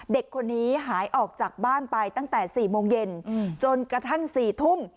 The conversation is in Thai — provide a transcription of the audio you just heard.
เด็กคนนี้หายออกจากบ้านไปตั้งแต่๔โมงเย็นจนกระทั่ง๔ทุ่ม